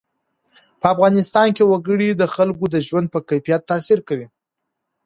په افغانستان کې وګړي د خلکو د ژوند په کیفیت تاثیر کوي.